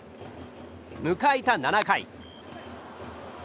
迎えた７回。